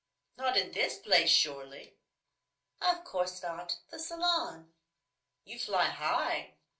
"Not in this place, surely?" "Of course not. The Salon." "You fly high."